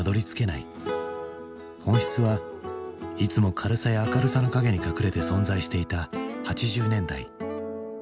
本質はいつも軽さや明るさの陰に隠れて存在していた８０年代。